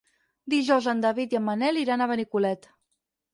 Dijous en David i en Manel iran a Benicolet.